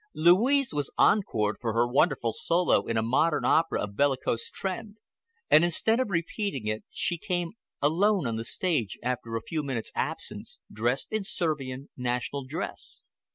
Louise was encored for her wonderful solo in a modern opera of bellicose trend, and instead of repeating it she came alone on the stage after a few minutes' absence, dressed in Servian national dress.